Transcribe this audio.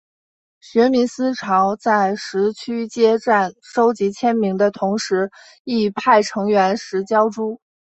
学民思潮在十区街站收集签名的同时亦派成员拾胶珠。